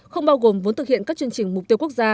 không bao gồm vốn thực hiện các chương trình mục tiêu